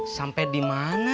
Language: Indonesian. sampai di mana